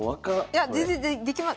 いや全然できます。